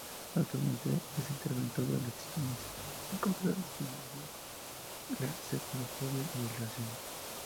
Actualmente es interventor del Instituto Nacional contra la Discriminación, la Xenofobia y el Racismo.